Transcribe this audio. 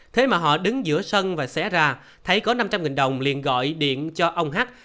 thế mà họ đứng giữa sân và xẻ ra thấy có năm trăm linh đồng liền gọi điện cho ông hát